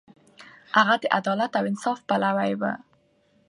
هغه د انصاف او عدالت پلوی و.